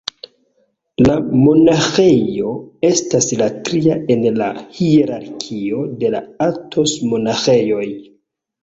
La monaĥejo estas la tria en la hierarkio de la Athos-monaĥejoj.